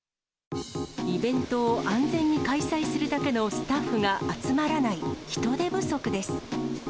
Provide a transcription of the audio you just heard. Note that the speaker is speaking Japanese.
イベントを安全に開催するだけのスタッフが集まらない、人手不足です。